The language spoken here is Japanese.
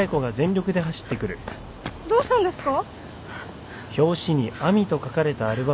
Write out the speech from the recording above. どうしたんですか？